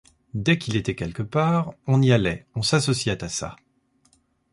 Dès qu’il était quelque part, on y allait, on s’associait à ça.